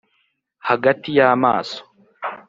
hagati y'amaso